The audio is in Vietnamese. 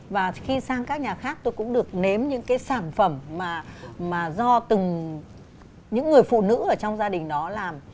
và khi sang các nhà khác tôi cũng được nếm những cái sản phẩm mà do từng những người phụ nữ ở trong gia đình đó làm